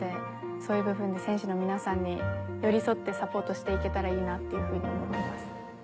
そういう部分で選手の皆さんに寄り添ってサポートして行けたらいいなっていうふうに思っています。